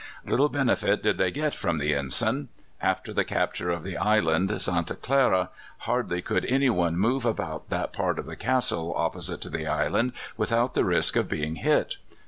Little benefit did they get from the ensign. After the capture of the island Santa Clara, hardly could anyone move about that part of the castle opposite to the island without the risk of being hit.